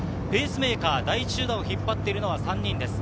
ペースメーカー、第１集団を引っ張っているのは３人。